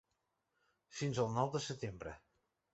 Fins al nou de setembre.